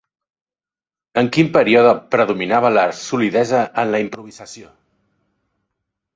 En quin període predominava la solidesa en la improvisació?